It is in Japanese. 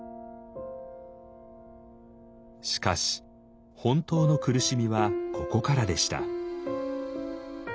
しかし本当の苦しみはここからでした。